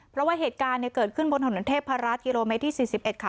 เพราะว่าเหตุการณ์เนี่ยเกิดขึ้นบนหนุนเทพภรรรดิกิโลเมตรที่สี่สิบเอ็ดค่ะ